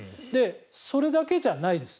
それだけじゃないです。